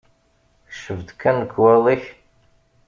Kcef-d kan lekwaɣeḍ-ik.